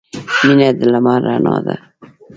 • مینه د لمر رڼا ده.